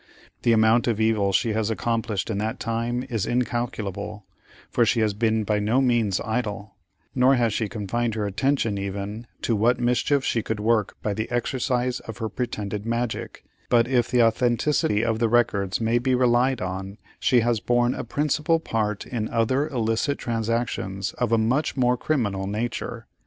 The amount of evil she has accomplished in that time is incalculable, for she has been by no means idle, nor has she confined her attention even to what mischief she could work by the exercise of her pretended magic, but if the authenticity of the records may be relied on, she has borne a principal part in other illicit transactions of a much more criminal nature.